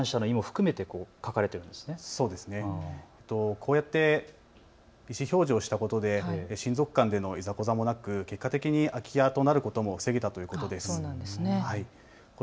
こうやって意思表示をしたことで親族間でのいざこざもなく結果的に空き家となることも防げたということなんですね。